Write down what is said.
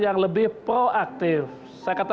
ini tugas utama dari satgas itu